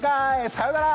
さよなら！